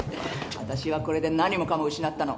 私はこれで何もかも失ったの。